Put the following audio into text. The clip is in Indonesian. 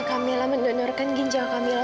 kamilah mendonorkan ginjal kamilah